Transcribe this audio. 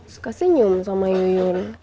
suka senyum sama iyuyun